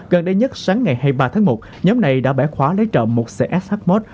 gần đây nhất sáng ngày hai mươi ba tháng một nhóm này đã bẻ khóa lấy trộm một xe shmot